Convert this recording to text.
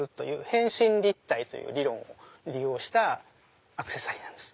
変身立体という理論を利用したアクセサリーなんです。